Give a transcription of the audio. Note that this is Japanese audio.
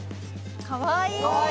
かわいい！